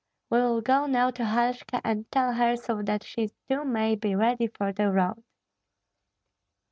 We will go now to Halshka, and tell her so that she too may be ready for the road."